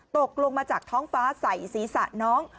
ตกลงมาจากท้องฟ้าใส่ศีรษะน้อง